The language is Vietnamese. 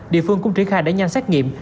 địa phương cũng triển khai để nhanh xét nghiệm